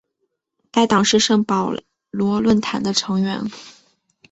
该党是圣保罗论坛的成员。